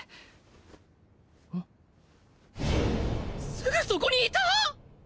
すぐそこにいた！？